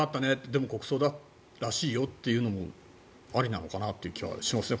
でも国葬らしいよというのもありなのかなという気がしますね